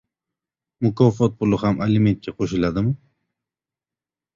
«Mukofot puli ham alimentga qo‘shiladimi?»